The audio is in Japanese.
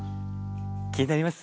気になります？